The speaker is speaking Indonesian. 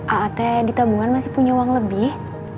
aat di tabungan masih punya uang lebih